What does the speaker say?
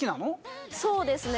そうですね